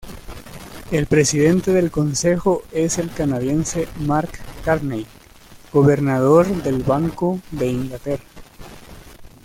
El presidente del Consejo es el canadiense Mark Carney, Gobernador del Banco de Inglaterra.